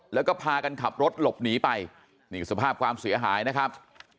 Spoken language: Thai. แล้วก็พากันขับรถหลบหนีไปนี่สภาพความเสียหายนะครับ